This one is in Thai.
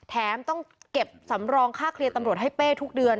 แถมต้องเก็บสำรองค่าเคลียร์ตำรวจให้เป้ทุกเดือน